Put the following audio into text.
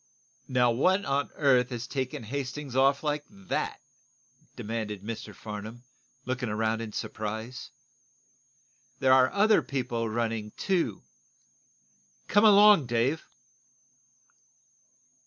"Now, what on earth has taken Hastings off like that?" demanded Mr. Farnum, looking around in surprise. "There are other people running, too. Come along, Dave!"